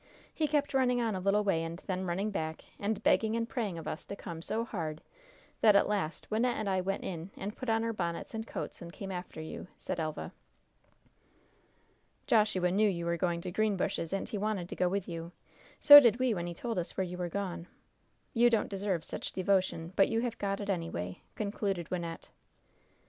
He kept running on a little way and then running back and begging and praying of us to come so hard that at last Wynnette and I went in and put our bonnets and coats and came after you," said Elva. "Joshua knew you were going to Greenbushes, and he wanted to go with you. So did we when he told us where you were gone. You don't deserve such devotion; but you have got it anyway," concluded Wynnette.